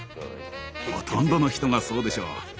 ほとんどの人がそうでしょう。